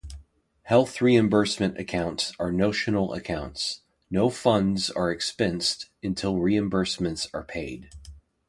Health Reimbursement Accounts are notional accounts; no funds are expensed until reimbursements are paid.